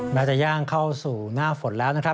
จะย่างเข้าสู่หน้าฝนแล้วนะครับ